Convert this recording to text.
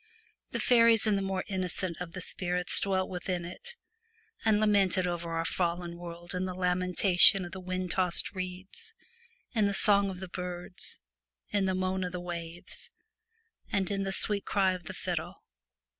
The faeries and the more innocent of the spirits dwelt within it, and lamented over our fallen world in the lamentation of the wind tossed reeds, in the song of the birds, in the moan of the waves, and in the sweet cry of the fiddle.